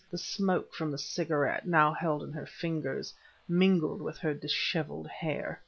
The smoke from the cigarette, now held in her fingers, mingled with her disheveled hair.